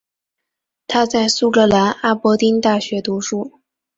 他在苏格兰阿伯丁大学读书。